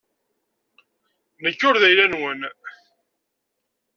Nekk ur d ayla-nwen.